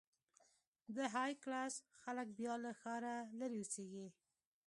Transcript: د های کلاس خلک بیا له ښاره لرې اوسېږي.